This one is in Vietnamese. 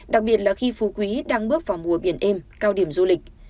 đặc biệt là khi phú quý đang bước vào mùa biển êm cao điểm du lịch